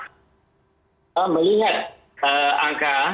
sebelum itu sebelum kita kembali kita melihat angka